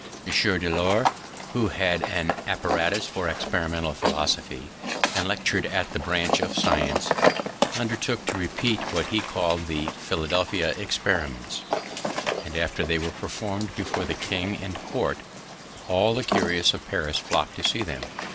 M. de Lor, who had an apparatus for experimental philosophy, and lectur'd in that branch of science, undertook to repeat what he called the Philadelphia Experiments; and, after they were performed before the king and court, all the curious of Paris flocked to see them.